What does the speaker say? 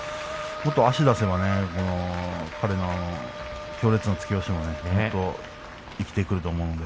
もっと足を出せば強烈な突き押しが生きてくると思いますよ。